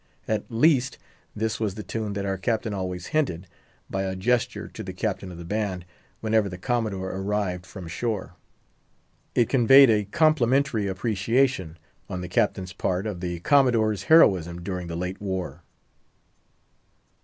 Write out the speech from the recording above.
At least, this was the tune that our Captain always hinted, by a gesture, to the captain of the band, whenever the Commodore arrived from shore. It conveyed a complimentary appreciation, on the Captain's part, of the Commodore's heroism during the late war.